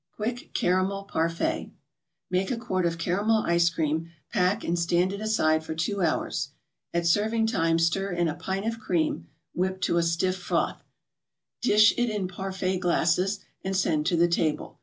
QUICK CARAMEL PARFAIT Make a quart of Caramel Ice Cream, pack, and stand it aside for two hours. At serving time, stir in a pint of cream, whipped to a stiff froth, dish in parfait glasses, and send to the table.